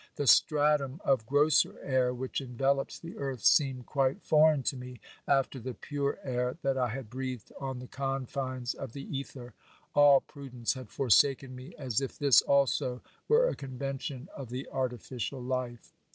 The stratum of grosser air which envelops the earth seemed quite foreign to me after the pure air that I had breathed on the confines of the ether : all prudence had forsaken me, as if this also were a convention of the artificial life.